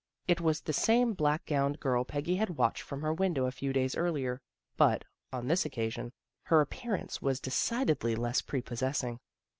It was the same black gowned girl Peggy had watched from her window a few days earlier, but, on this occasion, her appearance was de cidedly less prepossessing.